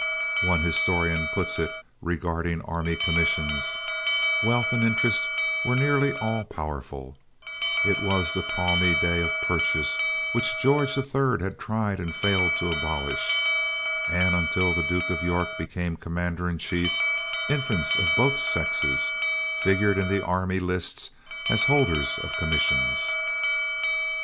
As one historian puts it, regarding army commissions: "Wealth and interest were nearly all powerful; it was the palmy day of purchase which George the Third had tried and had failed to abolish, and, until the Duke of York became commander in chief, infants of both sexes figured in the army list as the holders of commissions."